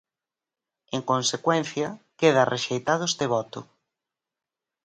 En consecuencia, queda rexeitado este voto.